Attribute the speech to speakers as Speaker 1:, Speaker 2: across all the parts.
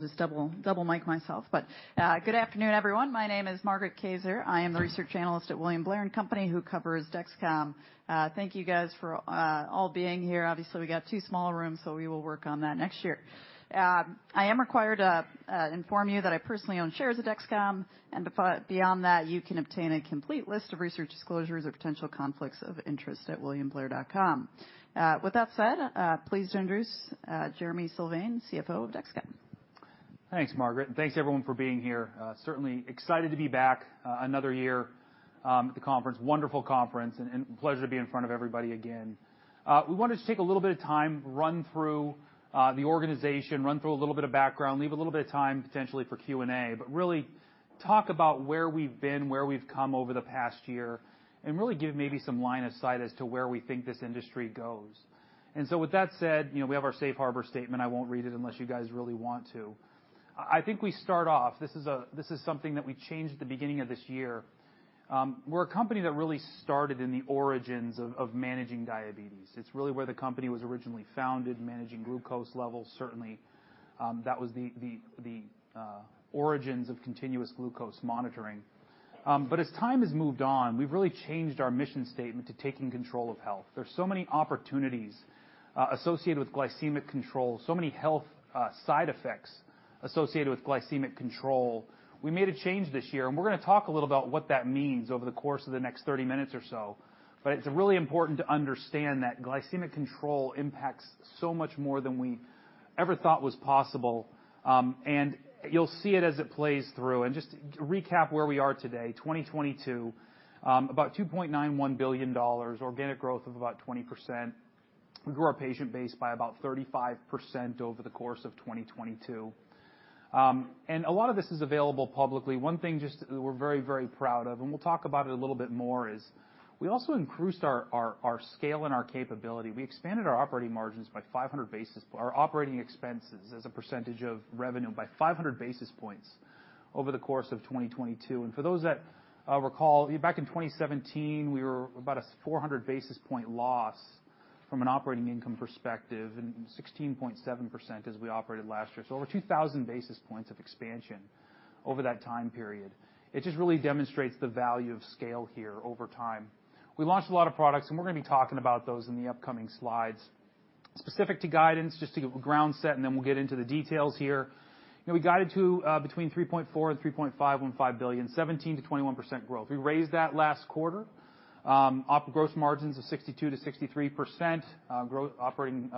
Speaker 1: Just double mic myself. Good afternoon, everyone. My name is Margaret Kaczor. I am the research analyst at William Blair & Company, who covers Dexcom. Thank you, guys, for all being here. Obviously, we got too small a room, we will work on that next year. I am required to inform you that I personally own shares of Dexcom, and beyond that, you can obtain a complete list of research disclosures or potential conflicts of interest at williamblair.com. With that said, pleased to introduce Jereme Sylvain, CFO of Dexcom.
Speaker 2: Thanks, Margaret, and thanks, everyone, for being here. Certainly excited to be back, another year, at the conference. Wonderful conference and pleasure to be in front of everybody again. We wanted to take a little bit of time, run through the organization, run through a little bit of background, leave a little bit of time, potentially, for Q&A, but really talk about where we've been, where we've come over the past year, and really give maybe some line of sight as to where we think this industry goes. With that said, you know, we have our safe harbor statement. I won't read it unless you guys really want to. I think we start off. This is something that we changed at the beginning of this year. We're a company that really started in the origins of managing diabetes. It's really where the company was originally founded, managing glucose levels. Certainly, that was the origins of continuous glucose monitoring. As time has moved on, we've really changed our mission statement to taking control of health. There are so many opportunities associated with glycemic control, so many health side effects associated with glycemic control. We made a change this year, we're going to talk a little about what that means over the course of the next 30 minutes or so, it's really important to understand that glycemic control impacts so much more than we ever thought was possible. You'll see it as it plays through. Just to recap where we are today, 2022, about $2.91 billion, organic growth of about 20%. We grew our patient base by about 35% over the course of 2022. A lot of this is available publicly. One thing just that we're very, very proud of, and we'll talk about it a little bit more, is we also increased our scale and our capability. We expanded our operating expenses as a percentage of revenue by 500 basis points over the course of 2022. For those that recall, back in 2017, we were about a 400 basis point loss from an operating income perspective, and 16.7% as we operated last year. Over 2,000 basis points of expansion over that time period. It just really demonstrates the value of scale here over time. We launched a lot of products, and we're going to be talking about those in the upcoming slides. Specific to guidance, just to give a ground set, and then we'll get into the details here. We guided to between $3.4 billion-$3.515 billion, 17%-21% growth. We raised that last quarter. Op gross margins of 62%-63%, operating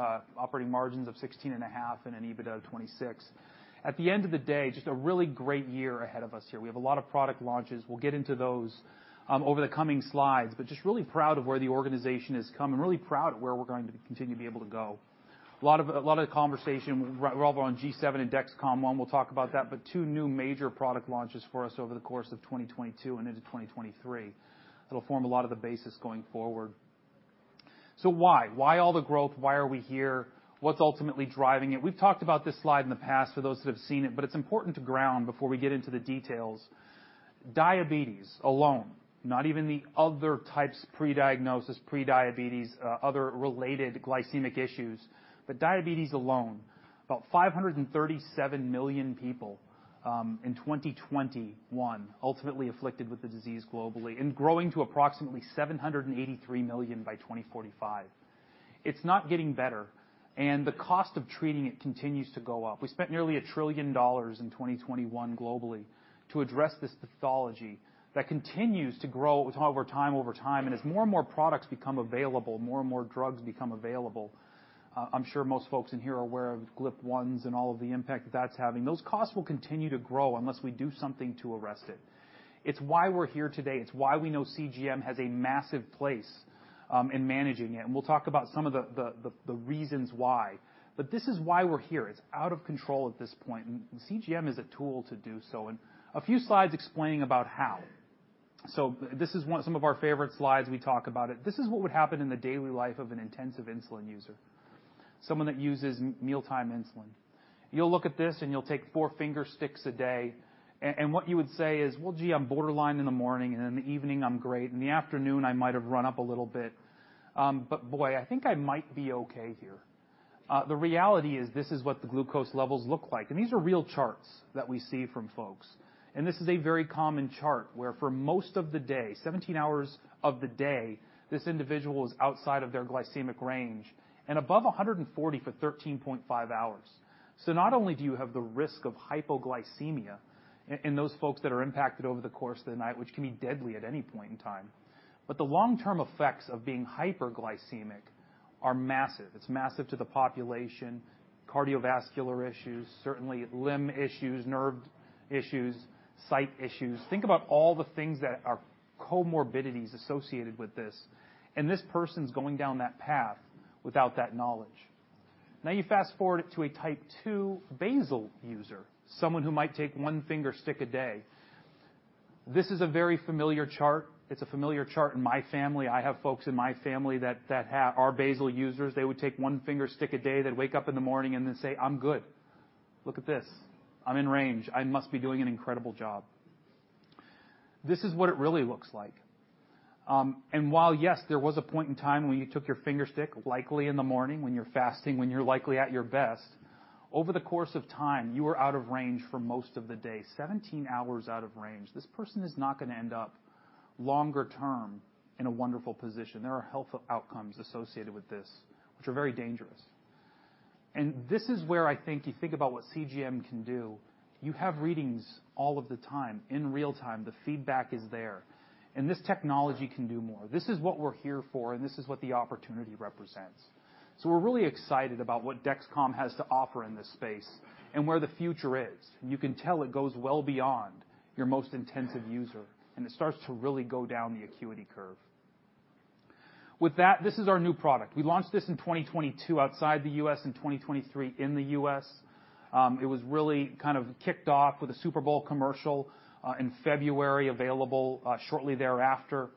Speaker 2: margins of 16.5% and an EBITDA of 26%. At the end of the day, just a really great year ahead of us here. We have a lot of product launches. We'll get into those over the coming slides, but just really proud of where the organization has come and really proud of where we're going to continue to be able to go. A lot of the conversation revolve on G7 and Dexcom ONE. We'll talk about that. Two new major product launches for us over the course of 2022 and into 2023. It'll form a lot of the basis going forward. Why? Why all the growth? Why are we here? What's ultimately driving it? We've talked about this slide in the past, for those that have seen it. It's important to ground before we get into the details. Diabetes alone, not even the other types, prediagnosis, prediabetes, other related glycemic issues, but diabetes alone, about 537 million people in 2021, ultimately afflicted with the disease globally, and growing to approximately 783 million people by 2045. It's not getting better, and the cost of treating it continues to go up. We spent nearly $1 trillion in 2021 globally to address this pathology that continues to grow over time. As more and more products become available, more and more drugs become available, I'm sure most folks in here are aware of GLP-1s and all of the impact that that's having. Those costs will continue to grow unless we do something to arrest it. It's why we're here today. It's why we know CGM has a massive place in managing it, and we'll talk about some of the reasons why. This is why we're here. It's out of control at this point, and CGM is a tool to do so, and a few slides explaining about how. This is some of our favorite slides. We talk about it. This is what would happen in the daily life of an intensive insulin user, someone that uses mealtime insulin. You'll look at this, and you'll take four finger sticks a day, and what you would say is: "Well, gee, I'm borderline in the morning, and in the evening, I'm great. In the afternoon, I might have run up a little bit, but boy, I think I might be okay here." The reality is, this is what the glucose levels look like. These are real charts that we see from folks. This is a very common chart, where for most of the day, 17 hours of the day, this individual is outside of their glycemic range and above 140 for 13.5 hours. Not only do you have the risk of hypoglycemia, and those folks that are impacted over the course of the night, which can be deadly at any point in time, but the long-term effects of being hyperglycemic are massive. It's massive to the population, cardiovascular issues, certainly limb issues, nerve issues, sight issues. Think about all the things that are comorbidities associated with this, and this person's going down that path without that knowledge. You fast-forward it to a Type 2 basal user, someone who might take one finger stick a day. This is a very familiar chart. It's a familiar chart in my family. I have folks in my family that are basal users. They would take 1 finger stick a day. They'd wake up in the morning and then say, "I'm good. Look at this. I'm in range. I must be doing an incredible job." This is what it really looks like. While, yes, there was a point in time when you took your finger stick, likely in the morning when you're fasting, when you're likely at your best, over the course of time, you were out of range for most of the day. 17 hours out of range. This person is not gonna end up longer term in a wonderful position. There are health outcomes associated with this, which are very dangerous. This is where I think you think about what CGM can do. You have readings all of the time, in real time. The feedback is there. This technology can do more. This is what we're here for. This is what the opportunity represents. We're really excited about what Dexcom has to offer in this space and where the future is. You can tell it goes well beyond your most intensive user. It starts to really go down the acuity curve. With that, this is our new product. We launched this in 2022 outside the U.S., in 2023 in the U.S. It was really kind of kicked off with a Super Bowl commercial in February, available shortly thereafter.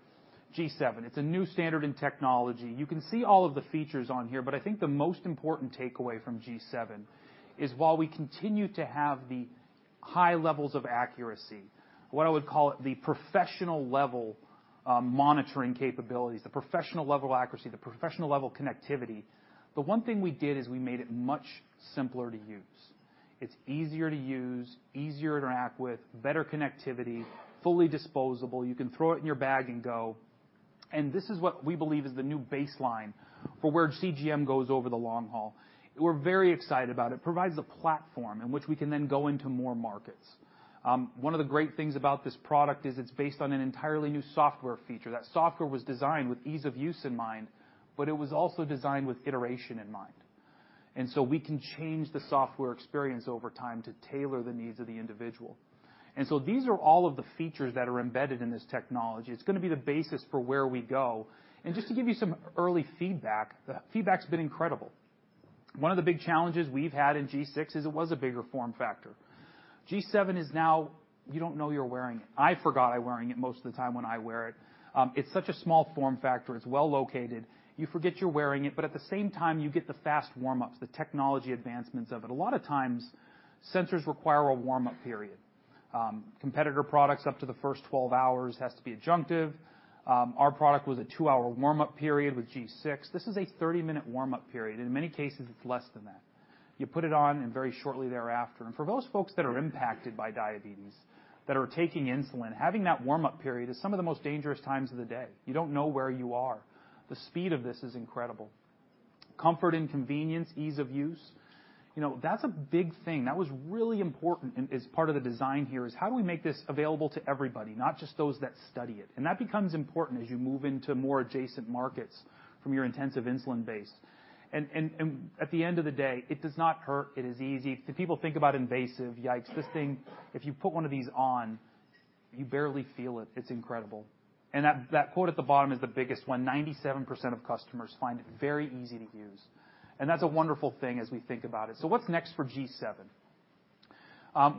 Speaker 2: G7. It's a new standard in technology. You can see all of the features on here, but I think the most important takeaway from G7 is, while we continue to have the high levels of accuracy, what I would call it the professional level, monitoring capabilities, the professional level accuracy, the professional level connectivity, the one thing we did is we made it much simpler to use. It's easier to use, easier to interact with, better connectivity, fully disposable. You can throw it in your bag and go. This is what we believe is the new baseline for where CGM goes over the long haul. We're very excited about it. It provides a platform in which we can then go into more markets. One of the great things about this product is it's based on an entirely new software feature. That software was designed with ease of use in mind, but it was also designed with iteration in mind. We can change the software experience over time to tailor the needs of the individual. These are all of the features that are embedded in this technology. It's gonna be the basis for where we go. Just to give you some early feedback, the feedback's been incredible. One of the big challenges we've had in G6 is it was a bigger form factor. G7 is now. You don't know you're wearing it. I forgot I'm wearing it most of the time when I wear it. It's such a small form factor. It's well-located. You forget you're wearing it, but at the same time, you get the fast warm-ups, the technology advancements of it. A lot of times, sensors require a warm-up period. Competitor products, up to the first 12 hours, has to be adjunctive. Our product was a 2-hour warm-up period with G6. This is a 30-minute warm-up period. In many cases, it's less than that. You put it on and very shortly thereafter. For those folks that are impacted by diabetes, that are taking insulin, having that warm-up period is some of the most dangerous times of the day. You don't know where you are. The speed of this is incredible. Comfort and convenience, ease of use, you know, that's a big thing. That was really important and is part of the design here, is how do we make this available to everybody, not just those that study it? That becomes important as you move into more adjacent markets from your intensive insulin base. At the end of the day, it does not hurt. It is easy. People think about invasive, yikes. This thing, if you put one of these on, you barely feel it. It's incredible. That quote at the bottom is the biggest one. 97% of customers find it very easy to use, and that's a wonderful thing as we think about it. What's next for G7?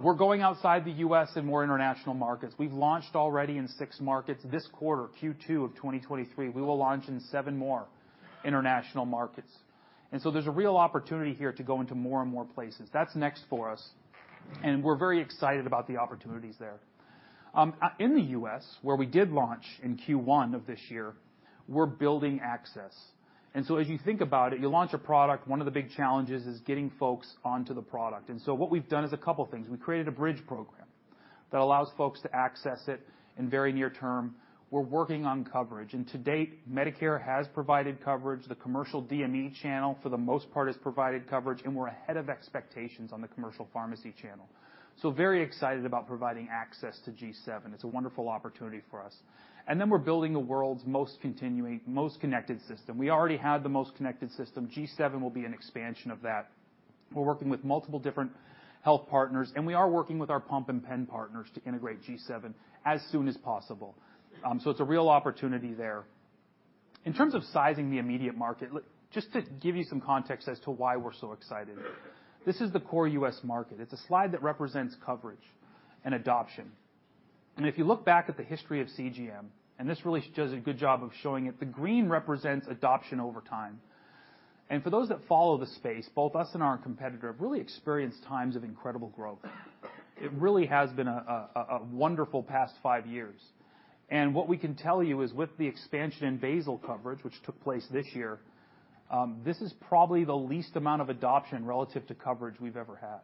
Speaker 2: We're going outside the U.S. in more international markets. We've launched already in 6 markets. This quarter, Q2 of 2023, we will launch in 7 more international markets, and so there's a real opportunity here to go into more and more places. That's next for us, and we're very excited about the opportunities there. In the U.S., where we did launch in Q1 of this year, we're building access. As you think about it, you launch a product, one of the big challenges is getting folks onto the product. What we've done is a couple things. We created a bridge program that allows folks to access it in very near term. We're working on coverage, and to date, Medicare has provided coverage. The commercial DME channel, for the most part, has provided coverage, and we're ahead of expectations on the commercial pharmacy channel. Very excited about providing access to G7. It's a wonderful opportunity for us. We're building the world's most continuing, most connected system. We already had the most connected system. G7 will be an expansion of that. We're working with multiple different health partners, and we are working with our pump and pen partners to integrate G7 as soon as possible. It's a real opportunity there. In terms of sizing the immediate market, just to give you some context as to why we're so excited, this is the core U.S. market. It's a slide that represents coverage and adoption. If you look back at the history of CGM, and this really does a good job of showing it, the green represents adoption over time. For those that follow the space, both us and our competitor have really experienced times of incredible growth. It really has been a wonderful past 5 years. What we can tell you is, with the expansion in basal coverage, which took place this year, this is probably the least amount of adoption relative to coverage we've ever had.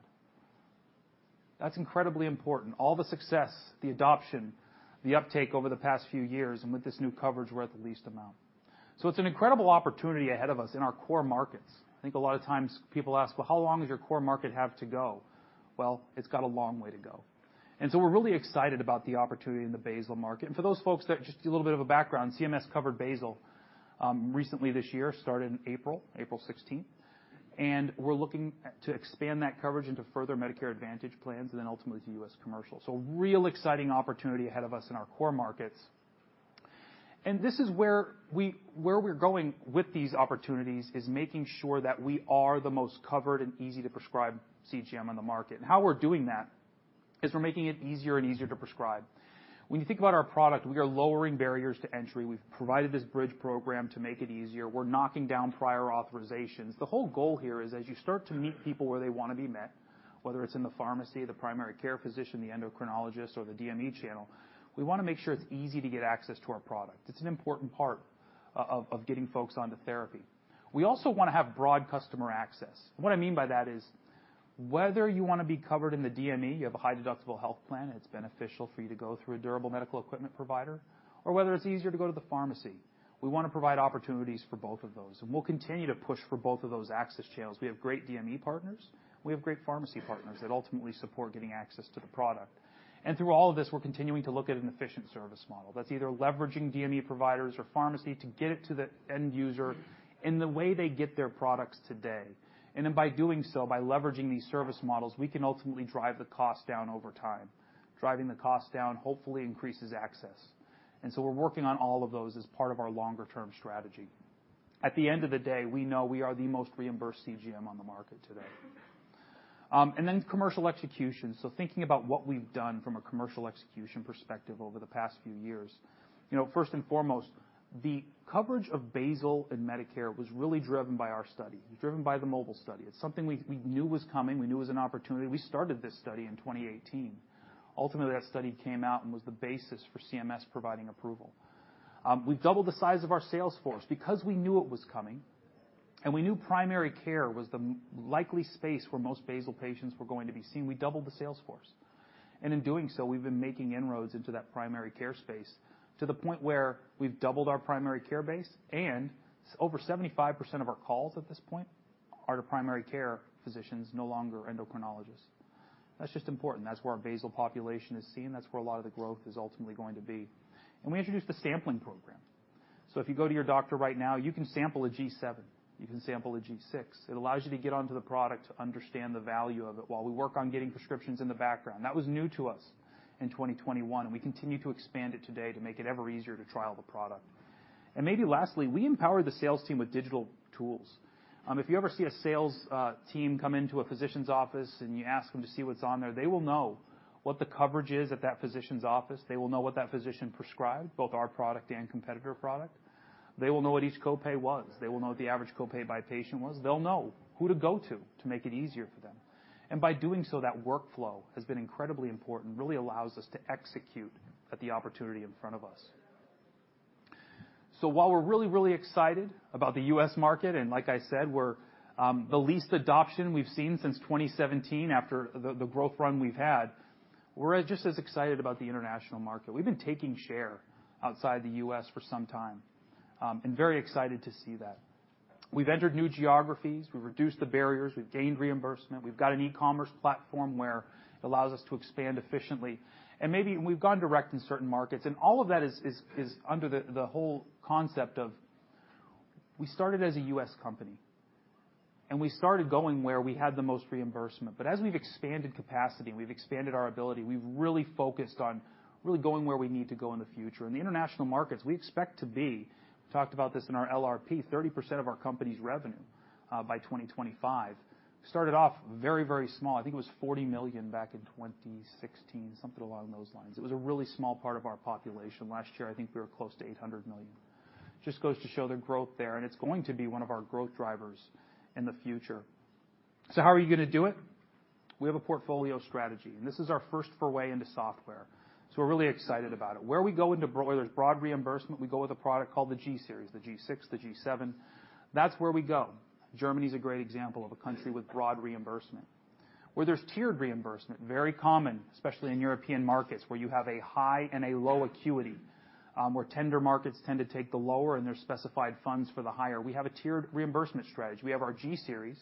Speaker 2: That's incredibly important. All the success, the adoption, the uptake over the past few years, and with this new coverage, we're at the least amount. It's an incredible opportunity ahead of us in our core markets. I think a lot of times people ask, "Well, how long does your core market have to go?" Well, it's got a long way to go. We're really excited about the opportunity in the basal market. For those folks, that just a little bit of a background, CMS covered basal recently this year, started in April 16th, and we're looking to expand that coverage into further Medicare Advantage plans and then ultimately to U.S. Commercial. Real exciting opportunity ahead of us in our core markets. This is where we're going with these opportunities, is making sure that we are the most covered and easy-to-prescribe CGM on the market. How we're doing that? is we're making it easier and easier to prescribe. When you think about our product, we are lowering barriers to entry. We've provided this bridge program to make it easier. We're knocking down prior authorizations. The whole goal here is as you start to meet people where they want to be met, whether it's in the pharmacy, the primary care physician, the endocrinologist, or the DME channel, we wanna make sure it's easy to get access to our product. It's an important part of getting folks onto therapy. We also wanna have broad customer access. What I mean by that is whether you want to be covered in the DME, you have a high deductible health plan, it's beneficial for you to go through a durable medical equipment provider, or whether it's easier to go to the pharmacy. We wanna provide opportunities for both of those, and we'll continue to push for both of those access channels. We have great DME partners. We have great pharmacy partners that ultimately support getting access to the product. Through all of this, we're continuing to look at an efficient service model, that's either leveraging DME providers or pharmacy to get it to the end user in the way they get their products today. By doing so, by leveraging these service models, we can ultimately drive the cost down over time. Driving the cost down hopefully increases access. We're working on all of those as part of our longer-term strategy. At the end of the day, we know we are the most reimbursed CGM on the market today. Commercial execution. Thinking about what we've done from a commercial execution perspective over the past few years, you know, first and foremost, the coverage of basal and Medicare was really driven by our study, driven by the MOBILE study. It's something we knew was coming, we knew it was an opportunity. We started this study in 2018. Ultimately, that study came out and was the basis for CMS providing approval. We've doubled the size of our sales force because we knew it was coming, and we knew primary care was the likely space where most basal patients were going to be seen. We doubled the sales force. In doing so, we've been making inroads into that primary care space to the point where we've doubled our primary care base. Over 75% of our calls at this point are to primary care physicians, no longer endocrinologists. That's just important. That's where our basal population is seen. That's where a lot of the growth is ultimately going to be. We introduced the sampling program. If you go to your doctor right now, you can sample a G7, you can sample a G6. It allows you to get onto the product to understand the value of it while we work on getting prescriptions in the background. That was new to us in 2021, and we continue to expand it today to make it ever easier to trial the product. Maybe lastly, we empower the sales team with digital tools. If you ever see a sales team come into a physician's office and you ask them to see what's on there, they will know what the coverage is at that physician's office. They will know what that physician prescribed, both our product and competitor product. They will know what each copay was. They will know what the average copay by patient was. They'll know who to go to make it easier for them. By doing so, that workflow has been incredibly important, really allows us to execute at the opportunity in front of us. While we're really, really excited about the U.S. market, and like I said, we're the least adoption we've seen since 2017 after the growth run we've had, we're as just as excited about the international market. We've been taking share outside the U.S. for some time, very excited to see that. We've entered new geographies, we've reduced the barriers, we've gained reimbursement. We've got an e-commerce platform where it allows us to expand efficiently, maybe we've gone direct in certain markets. All of that is under the whole concept of. We started as a U.S. company, we started going where we had the most reimbursement. As we've expanded capacity, we've expanded our ability, we've really focused on really going where we need to go in the future. In the international markets, we expect to be, talked about this in our LRP, 30% of our company's revenue by 2025. Started off very, very small. I think it was $40 million back in 2016, something along those lines. It was a really small part of our population. Last year, I think we were close to $800 million. Just goes to show the growth there, and it's going to be one of our growth drivers in the future. How are you gonna do it? We have a portfolio strategy, and this is our first foray into software, so we're really excited about it. There's broad reimbursement, we go with a product called the G series, the G6, the G7. That's where we go. Germany is a great example of a country with broad reimbursement. Where there's tiered reimbursement, very common, especially in European markets, where you have a high and a low acuity, where tender markets tend to take the lower and there's specified funds for the higher. We have a tiered reimbursement strategy. We have our G series.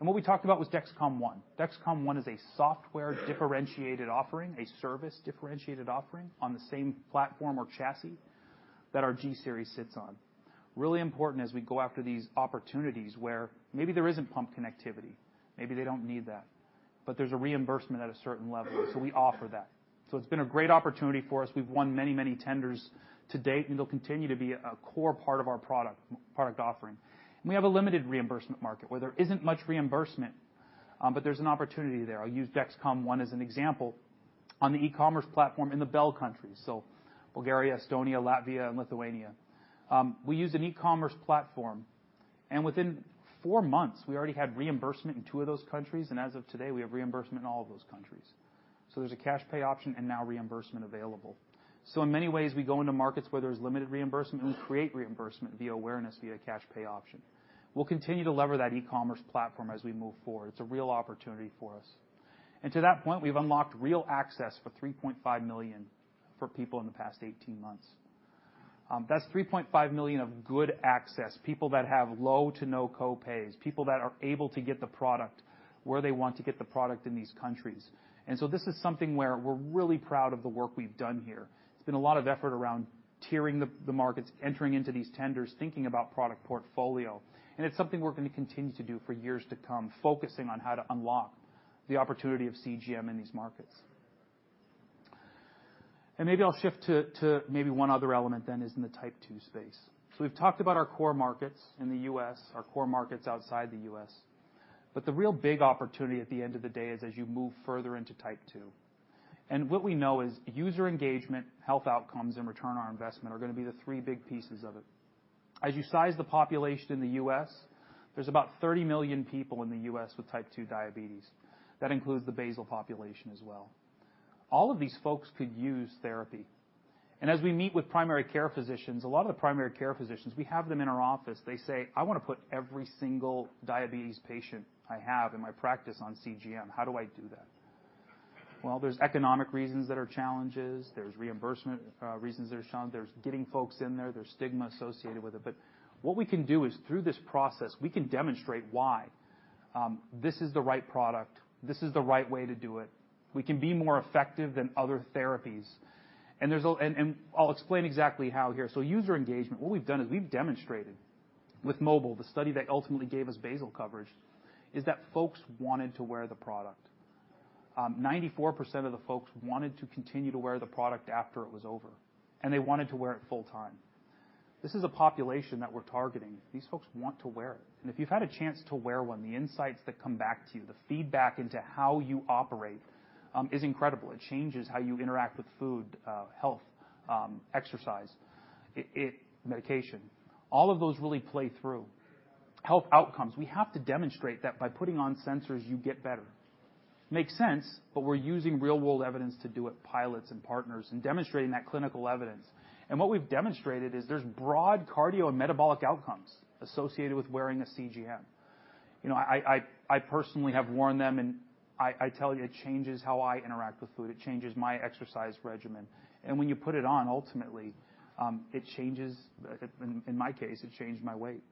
Speaker 2: What we talked about was Dexcom ONE. Dexcom ONE is a software differentiated offering, a service differentiated offering on the same platform or chassis that our G series sits on. Really important as we go after these opportunities where maybe there isn't pump connectivity, maybe they don't need that, but there's a reimbursement at a certain level, so we offer that. It's been a great opportunity for us. We've won many tenders to date, and it'll continue to be a core part of our product offering. We have a limited reimbursement market where there isn't much reimbursement, but there's an opportunity there. I'll use Dexcom ONE as an example on the e-commerce platform in the Baltic countries, so Bulgaria, Estonia, Latvia, and Lithuania. We use an e-commerce platform, and within four months, we already had reimbursement in two of those countries, and as of today, we have reimbursement in all of those countries. There's a cash pay option and now reimbursement available. In many ways, we go into markets where there's limited reimbursement, we create reimbursement via awareness, via cash pay option. We'll continue to lever that e-commerce platform as we move forward. It's a real opportunity for us. To that point, we've unlocked real access for 3.5 million for people in the past 18 months. That's 3.5 million of good access, people that have low to no copays, people that are able to get the product where they want to get the product in these countries. This is something where we're really proud of the work we've done here. It's been a lot of effort around tiering the markets, entering into these tenders, thinking about product portfolio, and it's something we're gonna continue to do for years to come, focusing on how to unlock the opportunity of CGM in these markets. Maybe I'll shift to maybe one other element then is in the Type 2 space. We've talked about our core markets in the U.S., our core markets outside the U.S.. The real big opportunity at the end of the day is as you move further into Type 2. What we know is user engagement, health outcomes, and return on investment are going to be the three big pieces of it. As you size the population in the U.S., there's about 30 million people in the U.S. with Type 2 diabetes. That includes the basal population as well. All of these folks could use therapy, and as we meet with primary care physicians, a lot of the primary care physicians, we have them in our office. They say, "I want to put every single diabetes patient I have in my practice on CGM. How do I do that?" There's economic reasons that are challenges, there's reimbursement reasons that are shown, there's getting folks in there's stigma associated with it. What we can do is, through this process, we can demonstrate why this is the right product, this is the right way to do it. We can be more effective than other therapies. I'll explain exactly how here. User engagement, what we've done is we've demonstrated with MOBILE, the study that ultimately gave us basal coverage, is that folks wanted to wear the product. 94% of the folks wanted to continue to wear the product after it was over, and they wanted to wear it full time. This is a population that we're targeting. These folks want to wear it, and if you've had a chance to wear one, the insights that come back to you, the feedback into how you operate, is incredible. It changes how you interact with food, health, exercise, it, medication. All of those really play through. Health outcomes. We have to demonstrate that by putting on sensors, you get better. Makes sense, but we're using real-world evidence to do it, pilots and partners, and demonstrating that clinical evidence. What we've demonstrated is there's broad cardiometabolic outcomes associated with wearing a CGM. You know, I personally have worn them, and I tell you, it changes how I interact with food. It changes my exercise regimen, and when you put it on, ultimately, it changes in my case, it changed my weight.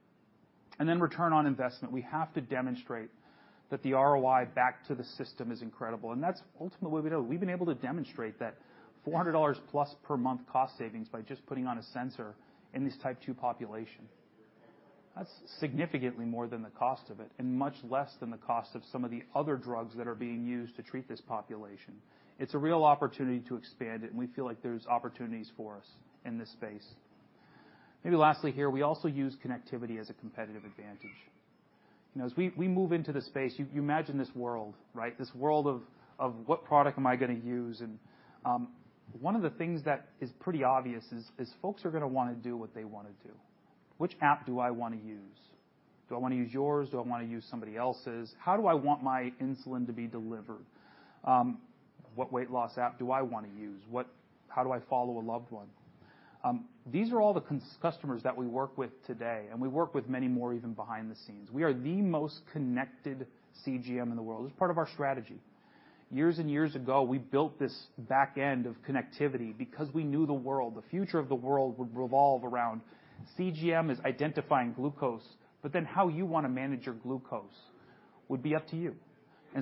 Speaker 2: Return on investment. We have to demonstrate that the ROI back to the system is incredible, and that's ultimately what we know. We've been able to demonstrate that $400+ per month cost savings by just putting on a sensor in this Type 2 population. That's significantly more than the cost of it, and much less than the cost of some of the other drugs that are being used to treat this population. It's a real opportunity to expand it, and we feel like there's opportunities for us in this space. Maybe lastly here, we also use connectivity as a competitive advantage. You know, as we move into the space, you imagine this world, right? This world of what product am I gonna use? One of the things that is pretty obvious is folks are gonna wanna do what they wanna do. Which app do I wanna use? Do I wanna use yours? Do I wanna use somebody else's? How do I want my insulin to be delivered? What weight loss app do I wanna use? How do I follow a loved one? These are all the customers that we work with today, and we work with many more even behind the scenes. We are the most connected CGM in the world. It's part of our strategy. Years and years ago, we built this back end of connectivity because we knew the world, the future of the world would revolve around CGM, is identifying glucose, but then how you wanna manage your glucose would be up to you.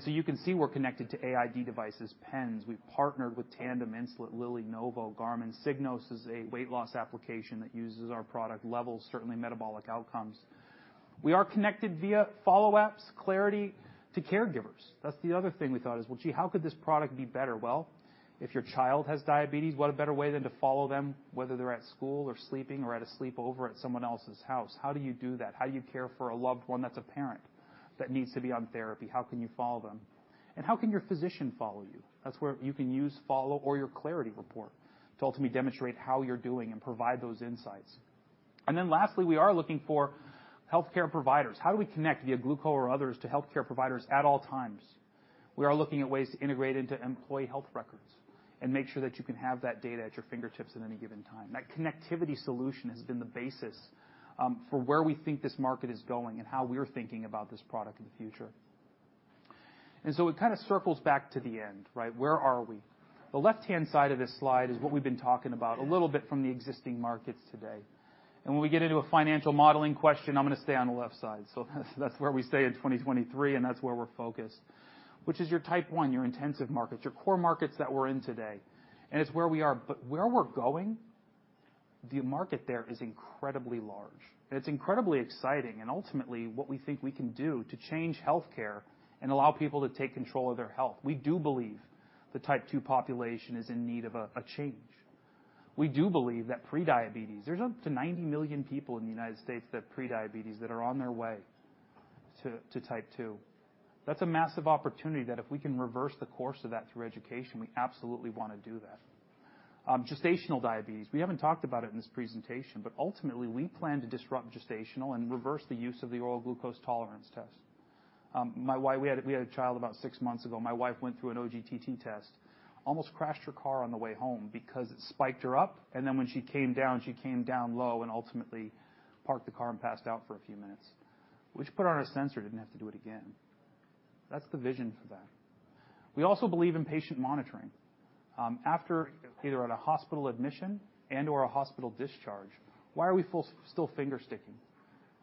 Speaker 2: You can see we're connected to AID devices, pens. We've partnered with Tandem, Insulet, Lilly, Novo, Garmin. Signos is a weight loss application that uses our product levels, certainly metabolic outcomes. We are connected via follow apps, Clarity to caregivers. That's the other thing we thought is, well, gee, how could this product be better? Well, if your child has diabetes, what a better way than to follow them, whether they're at school or sleeping or at a sleepover at someone else's house. How do you do that? How do you care for a loved one that's a parent that needs to be on therapy? How can you follow them? How can your physician follow you? That's where you can use Follow or your Clarity report to ultimately demonstrate how you're doing and provide those insights. Lastly, we are looking for healthcare providers. How do we connect via Glooko or others to healthcare providers at all times? We are looking at ways to integrate into employee health records and make sure that you can have that data at your fingertips at any given time. That connectivity solution has been the basis for where we think this market is going and how we're thinking about this product in the future. It kind of circles back to the end, right? Where are we? The left-hand side of this slide is what we've been talking about, a little bit from the existing markets today. When we get into a financial modeling question, I'm gonna stay on the left side. That's where we stay in 2023, and that's where we're focused, which is your Type 1, your intensive markets, your core markets that we're in today. It's where we are, but where we're going, the market there is incredibly large, and it's incredibly exciting and ultimately what we think we can do to change healthcare and allow people to take control of their health. We do believe the Type 2 population is in need of a change. We do believe that prediabetes, there's up to 90 million people in the United States that have prediabetes, that are on their way to Type 2. That's a massive opportunity that if we can reverse the course of that through education, we absolutely wanna do that. Gestational diabetes, we haven't talked about it in this presentation, but ultimately, we plan to disrupt gestational and reverse the use of the oral glucose tolerance test. We had a child about 6 months ago. My wife went through an OGTT test, almost crashed her car on the way home because it spiked her up, and then when she came down, she came down low and ultimately parked the car and passed out for a few minutes. We just put on a sensor, didn't have to do it again. That's the vision for that. We also believe in patient monitoring. After either at a hospital admission and/or a hospital discharge, why are we still finger sticking?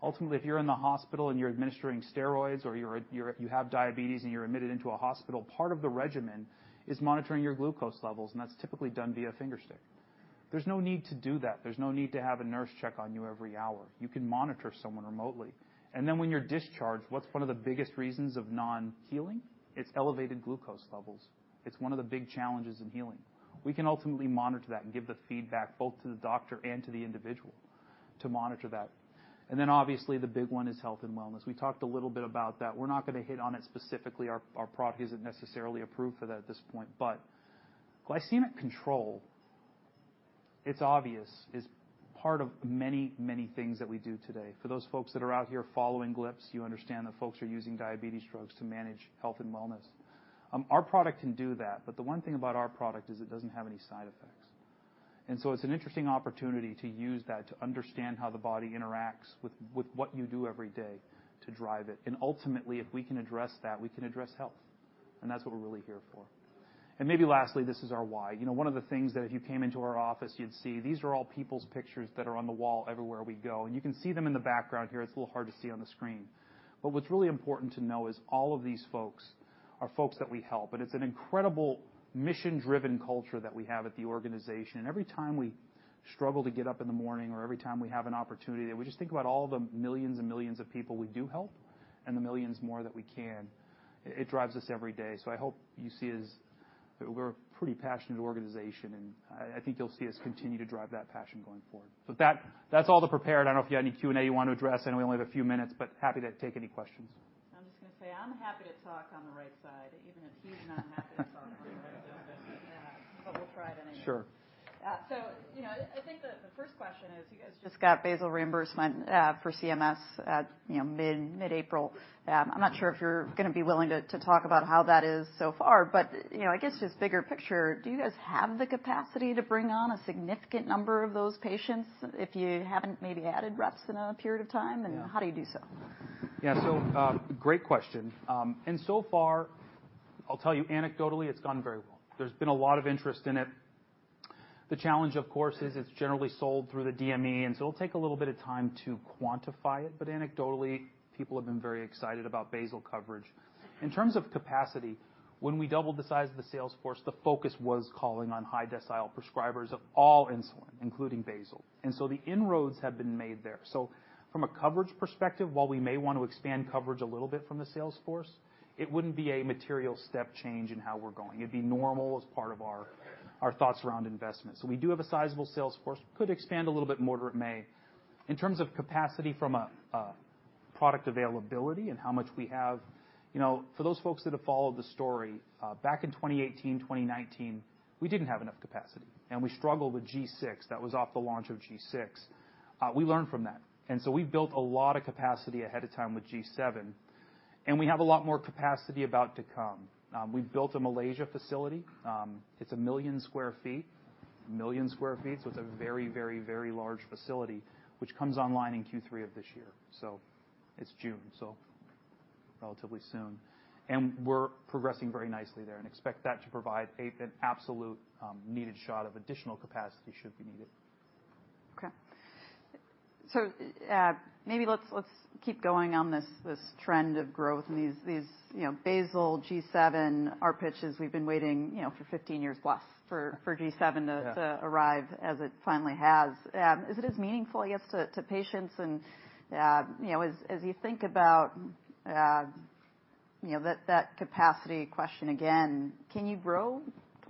Speaker 2: Ultimately, if you're in the hospital and you're administering steroids or you're, you have diabetes and you're admitted into a hospital, part of the regimen is monitoring your glucose levels, and that's typically done via finger stick. There's no need to do that. There's no need to have a nurse check on you every hour. You can monitor someone remotely. Then when you're discharged, what's one of the biggest reasons of non-healing? It's elevated glucose levels. It's one of the big challenges in healing. We can ultimately monitor that and give the feedback, both to the doctor and to the individual, to monitor that. Then, obviously, the big one is health and wellness. We talked a little bit about that. We're not going to hit on it specifically. Our product isn't necessarily approved for that at this point, but glycemic control, it's obvious, is part of many, many things that we do today. For those folks that are out here following GLP-1s, you understand that folks are using diabetes drugs to manage health and wellness. Our product can do that, but the one thing about our product is it doesn't have any side effects. It's an interesting opportunity to use that, to understand how the body interacts with what you do every day to drive it. Ultimately, if we can address that, we can address health, and that's what we're really here for. Maybe lastly, this is our why. You know, one of the things that if you came into our office, you'd see these are all people's pictures that are on the wall everywhere we go, and you can see them in the background here. It's a little hard to see on the screen. What's really important to know is all of these folks are folks that we help, and it's an incredible mission-driven culture that we have at the organization. Every time we struggle to get up in the morning or every time we have an opportunity, that we just think about all the millions and millions of people we do help and the millions more that we can. It drives us every day. I hope you see us that we're a pretty passionate organization, and I think you'll see us continue to drive that passion going forward. That's all the prepared. I don't know if you had any Q&A you want to address. I know we only have a few minutes, but happy to take any questions.
Speaker 1: I'm just gonna say I'm happy to talk on the right side, even if he's not happy to talk on the right side. We'll try it anyway.
Speaker 2: Sure.
Speaker 1: You know, I think the first question is, you guys just got basal reimbursement for CMS at, you know, mid-April. I'm not sure if you're gonna be willing to talk about how that is so far, but, you know, I guess just bigger picture, do you guys have the capacity to bring on a significant number of those patients if you haven't maybe added reps in a period of time?
Speaker 2: Yeah.
Speaker 1: How do you do so?
Speaker 2: Yeah. Great question. So far, I'll tell you anecdotally, it's gone very well. There's been a lot of interest in it. The challenge, of course, is it's generally sold through the DME, it'll take a little bit of time to quantify it, anecdotally, people have been very excited about basal coverage. In terms of capacity, when we doubled the size of the sales force, the focus was calling on high-decile prescribers of all insulin, including basal. The inroads have been made there. From a coverage perspective, while we may want to expand coverage a little bit from the sales force, it wouldn't be a material step change in how we're going. It'd be normal as part of our thoughts around investment. We do have a sizable sales force. Could expand a little bit more it may. In terms of capacity from product availability and how much we have, you know, for those folks that have followed the story, back in 2018, 2019, we didn't have enough capacity, and we struggled with G6. That was off the launch of G6. We learned from that. We've built a lot of capacity ahead of time with G7, and we have a lot more capacity about to come. We've built a Malaysia facility. It's 1 million sq ft. 1 million sq ft, so it's a very, very, very large facility, which comes online in Q3 of this year. It's June, so relatively soon. We're progressing very nicely there and expect that to provide an absolute needed shot of additional capacity should we need it.
Speaker 1: Okay. Maybe let's keep going on this trend of growth and these, you know, basal G7, our pitches, we've been waiting, you know, for 15 years plus for G7 to arrive, as it finally has. Is it as meaningful, I guess, to patients? You know, as you think about, you know, that capacity question again, can you grow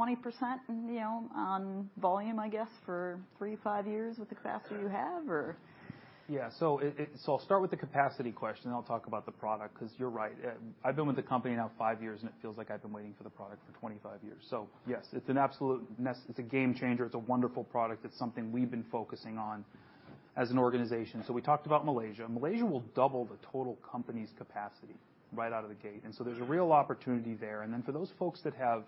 Speaker 1: 20%, you know, on volume I guess for three, five years with the capacity you have, or?
Speaker 2: I'll start with the capacity question, then I'll talk about the product, 'cause you're right. I've been with the company now 5 years, and it feels like I've been waiting for the product for 25 years. Yes, it's an absolute game changer. It's a wonderful product. It's something we've been focusing on as an organization. We talked about Malaysia. Malaysia will double the total company's capacity right out of the gate, and there's a real opportunity there, and then for those folks that have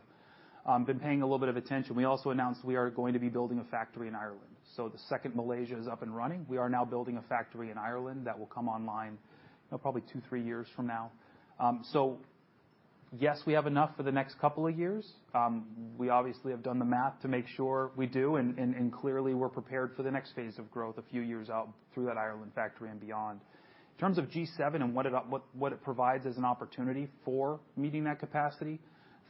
Speaker 2: been paying a little bit of attention, we also announced we are going to be building a factory in Ireland. The second Malaysia is up and running, we are now building a factory in Ireland that will come online, you know, probably 2 years, 3 years from now. Yes, we have enough for the next couple of years. We obviously have done the math to make sure we do, and clearly, we're prepared for the next phase of growth a few years out through that Ireland factory and beyond. In terms of G7 and what it provides as an opportunity for meeting that capacity,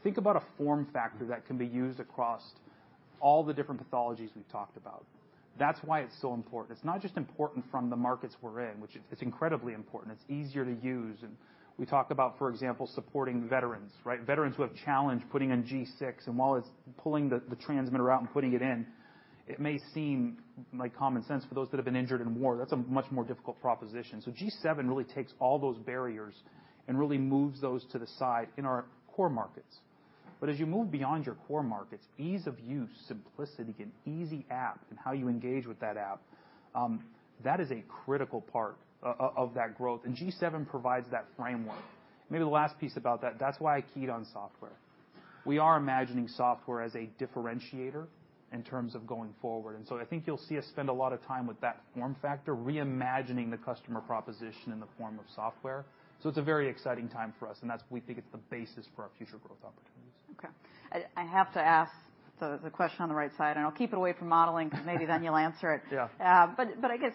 Speaker 2: think about a form factor that can be used across all the different pathologies we've talked about. That's why it's so important. It's not just important from the markets we're in, which it's incredibly important. It's easier to use, and we talk about, for example, supporting veterans, right? Veterans who have challenged putting in G6, and while it's pulling the transmitter out and putting it in, it may seem like common sense for those that have been injured in war. That's a much more difficult proposition. G7 really takes all those barriers and really moves those to the side in our core markets. As you move beyond your core markets, ease of use, simplicity, an easy app, and how you engage with that app, that is a critical part of that growth, and G7 provides that framework. Maybe the last piece about that's why I keyed on software. We are imagining software as a differentiator in terms of going forward. I think you'll see us spend a lot of time with that form factor, reimagining the customer proposition in the form of software. It's a very exciting time for us, and we think it's the basis for our future growth opportunities.
Speaker 1: Okay. I have to ask the question on the right side, and I'll keep it away from modeling, maybe then you'll answer it.
Speaker 2: Yeah.
Speaker 1: I guess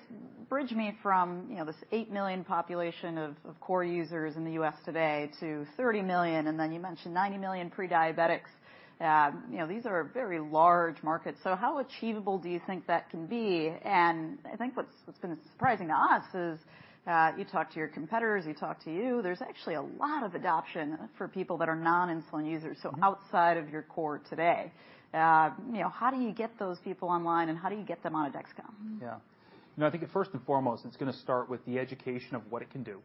Speaker 1: bridge me from, you know, this eight million population of core users in the U.S. today to 30 million people, and then you mentioned 90 million pre-diabetics. You know, these are very large markets. How achievable do you think that can be? I think what's been surprising to us is, you talk to your competitors, we talk to you, there's actually a lot of adoption for people that are non-insulin users outside of your core today, you know, how do you get those people online, and how do you get them on a Dexcom?
Speaker 2: No, I think first and foremost, it's gonna start with the education of what it can do,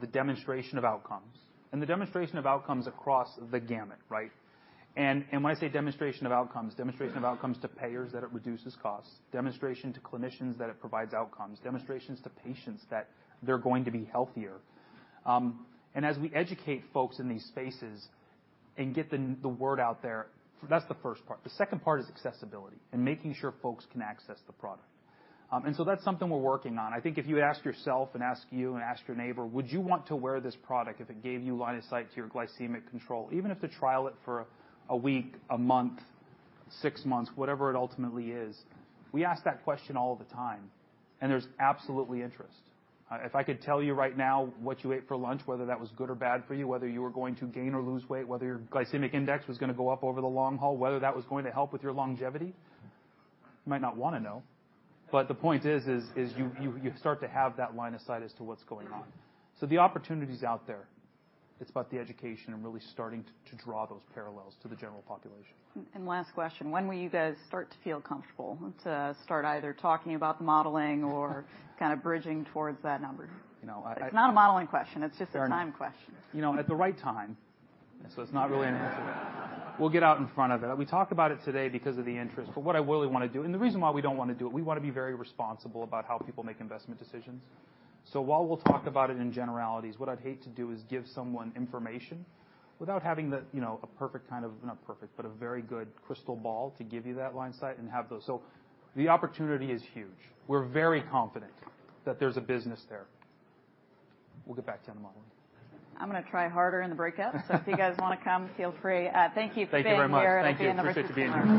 Speaker 2: the demonstration of outcomes and the demonstration of outcomes across the gamut, right? When I say demonstration of outcomes, demonstration of outcomes to payers, that it reduces costs, demonstration to clinicians that it provides outcomes, demonstrations to patients that they're going to be healthier. As we educate folks in these spaces and get the word out there, that's the first part. The second part is accessibility and making sure folks can access the product. That's something we're working on. I think if you ask yourself and ask you and ask your neighbor, would you want to wear this product if it gave you line of sight to your glycemic control, even if to trial it for a week, a month, 6 months, whatever it ultimately is? We ask that question all the time. There's absolutely interest. If I could tell you right now what you ate for lunch, whether that was good or bad for you, whether you were going to gain or lose weight, whether your glycemic index was gonna go up over the long haul, whether that was going to help with your longevity, you might not wanna know. The point is you start to have that line of sight as to what's going on. The opportunity's out there. It's about the education and really starting to draw those parallels to the general population.
Speaker 1: Last question: When will you guys start to feel comfortable to start either talking about the modeling or kind of bridging towards that number?
Speaker 2: You know.
Speaker 1: It's not a modeling question, it's just a time question.
Speaker 2: You know, at the right time. It's not really an answer. We'll get out in front of it. We talked about it today because of the interest. What I really wanna do, and the reason why we don't wanna do it, we wanna be very responsible about how people make investment decisions. While we'll talk about it in generalities, what I'd hate to do is give someone information without having the, you know, not perfect, but a very good crystal ball to give you that line sight and have those. The opportunity is huge. We're very confident that there's a business there. We'll get back to you on the modeling.
Speaker 1: I'm gonna try harder in the breakout. If you guys wanna come, feel free. Thank you for being here.
Speaker 2: Thank you very much. Thank you.
Speaker 1: It'll be another 15 minutes.
Speaker 2: Nice to be here.